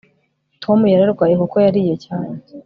tom yararwaye kuko yariye cyane